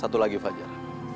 satu lagi fajar